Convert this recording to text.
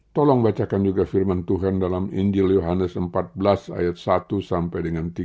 tolong bacakan juga firman tuhan dalam injil yohanes empat belas ayat satu sampai dengan tiga